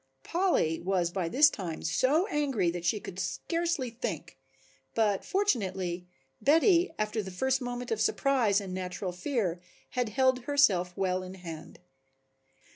Polly was by this time so angry that she could scarcely think, but, fortunately, Betty, after the first moment of surprise and natural fear, had held herself well in hand.